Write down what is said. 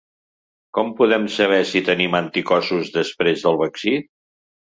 Com podem saber si tenim anticossos després del vaccí?